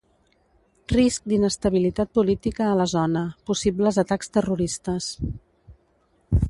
Risc d'inestabilitat política a la zona, possibles atacs terroristes.